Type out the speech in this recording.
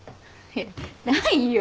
ないよ！